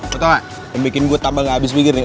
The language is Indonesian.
lo tau gak yang bikin gue tambah gak habis mikir nih